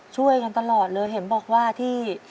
ช่วยกันตลอดเลยเห็นบอกว่าที่